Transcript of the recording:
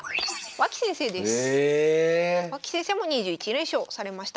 脇先生も２１連勝されました。